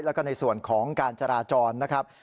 แล้วก็ในส่วนของการจราจรนะครับ